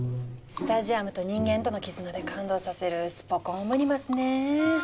スタジアムと人間との絆で感動させるスポ根オムニバスねぇ。